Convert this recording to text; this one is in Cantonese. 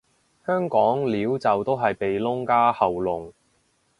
香港撩就都係鼻窿加喉嚨